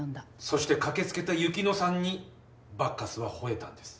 そして駆け付けた雪乃さんにバッカスは吠えたんです。